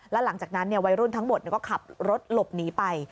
แล้วหลังจากนั้นวัยรุ่นทั้งหมดก็ขับรถหลบหนีไป